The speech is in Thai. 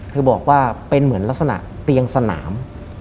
เธอบอกว่าเป็นเหมือนลักษณะเตียงสนาม